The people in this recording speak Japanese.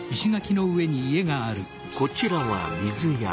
こちらは「水屋」。